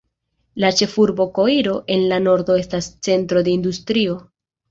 La ĉefurbo Koiro en la nordo estas centro de industrio.